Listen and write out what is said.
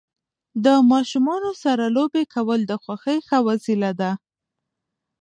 د ماشومانو سره لوبې کول د خوښۍ ښه وسیله ده.